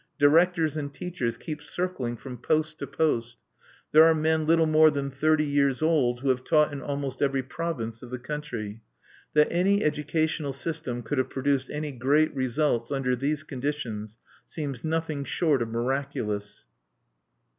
Directors and teachers keep circling from post to post; there are men little more than thirty years old who have taught in almost every province of the country. That any educational system could have produced any great results under these conditions seems nothing short of miraculous.